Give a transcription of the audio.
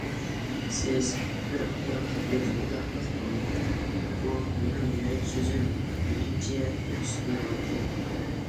سىز بىر ئايال تېپىپ نىكاھلىق بولۇڭ، بۇ مېنىڭ يۈرەك سۆزۈم، دېگىنىچە ئۆكسۈپ يىغلاپ كەتتى.